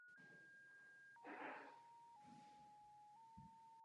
Rozkládá se zcela na severu země.